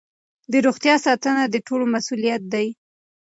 د روغتیا ساتنه د ټولو مسؤلیت دی.